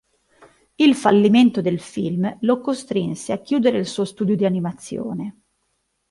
Il fallimento del film lo costrinse a chiudere il suo studio di animazione.